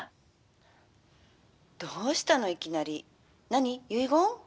「どうしたのいきなり。何遺言？」。